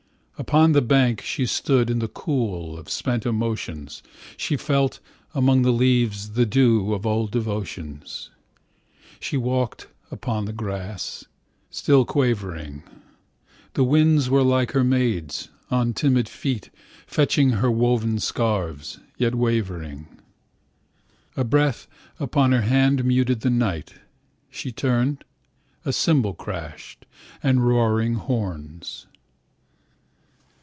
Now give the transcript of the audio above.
Upon the bank, she stood In the cool Of spent emotions . She felt, among the leaves. The dew Of old devotions . She walked upon the grass. Still quavering. The winds were like her maids. On timid feet. Fetching her woven scarves. Yet wavering. A breath upon her hand Muted the night. She turned — A cymbal crashed. And roaring horns